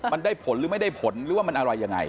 มันได้ผลหรือไม่ได้ผลหรือว่ามันอะไรยังไง